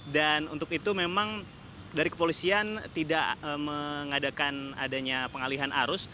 dan untuk itu memang dari kepolisian tidak mengadakan adanya pengalihan arus